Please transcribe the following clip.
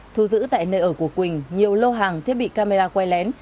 thu giữ tại nơi ở của quỳnh nhiều lô hàng thiết bị camera quay lén